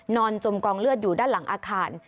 จมกองเลือดอยู่ด้านหลังอาคาร